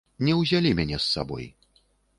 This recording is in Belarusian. Не ўзялі мяне з сабой.